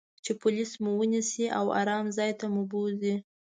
چې پولیس مو و نییسي او آرام ځای ته مو بوزي.